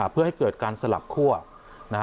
เพื่อให้เกิดการสลับคั่วนะครับ